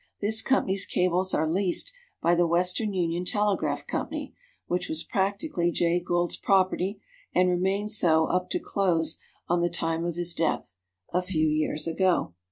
This company's cables are leased by the Western Union Telegraph Company, which was practically Jay Gould's property, and remained so up to close on the time of his death, a few years ago.